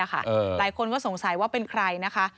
หลายคนก็สงสัยว่าเป็นใครนะคะ